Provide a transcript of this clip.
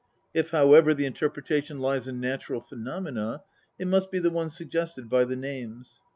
If, how ever, the interpretation lies in natural phenomena, it must be the one suggested by the names.